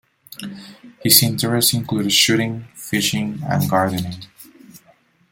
His interests included shooting, fishing and gardening.